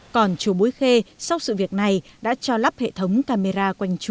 còn chùa bối khê sau sự việc này đã cho lắp hệ thống camera